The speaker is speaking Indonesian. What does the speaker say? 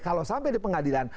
kalau sampai di pengadilan